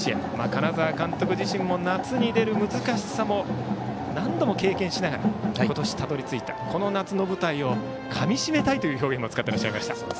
金沢監督自身も夏に出る難しさを何度も経験しながら今年たどり着いたこの夏の舞台をかみしめたいという表現も使っていらっしゃいました。